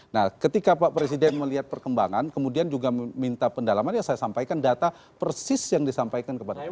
nah ketika pak presiden melihat perkembangan kemudian juga minta pendalaman ya saya sampaikan data persis yang disampaikan kepada publik